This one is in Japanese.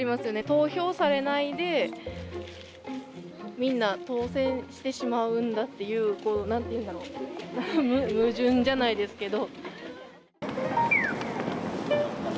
投票されないでみんな当選してしまうんだっていう、なんていうんだろう、矛盾じゃないですけど。